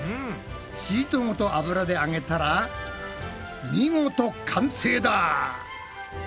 シートごと油で揚げたら見事完成だ！